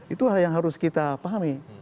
itu hal yang harus kita pahami